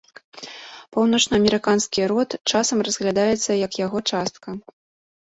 Паўночнаамерыканскі род часам разглядаецца як яго частка.